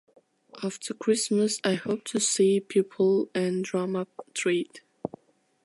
After Christmas, I hope to see people and drum up trade.